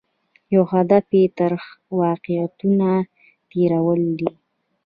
یو هدف یې ترخ واقعیتونه تېرول دي.